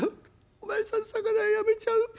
お前さん魚屋やめちゃう。